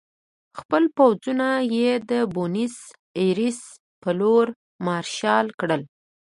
خپل پوځونه یې د بونیس ایرس په لور مارش کړل.